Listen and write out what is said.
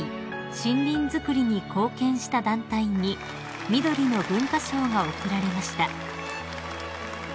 森林づくりに貢献した団体にみどりの文化賞が贈られました］